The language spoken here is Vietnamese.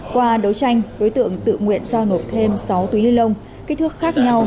qua đấu tranh đối tượng tự nguyện giao nộp thêm sáu túi ni lông kích thước khác nhau